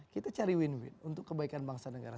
kita cari win win untuk kebaikan bangsa negara